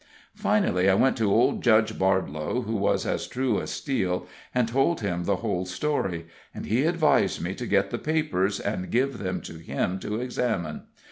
Finally I went to old Judge Bardlow, who was as true as steel, and told him the whole story, and he advised me to get the papers, and give them to him to examine.